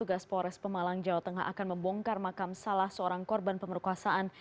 tugas pores pemalang jawa tengah akan membongkar makam salah seorang korban pemerkosaan